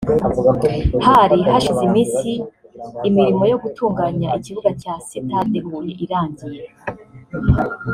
Hari hashize iminsi imirimo yo gutunganya ikibuga cya sitade Huye irangiye